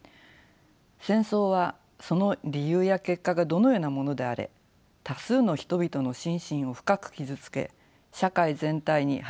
戦争はその理由や結果がどのようなものであれ多数の人々の心身を深く傷つけ社会全体に破壊的な影響を与えます。